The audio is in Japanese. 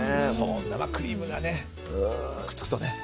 生クリームがくっつくとね